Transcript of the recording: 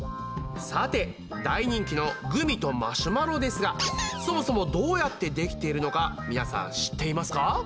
さて大人気のグミとマシュマロですがそもそもどうやってできているのか皆さん知っていますか？